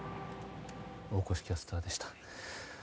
大越キャスターでした。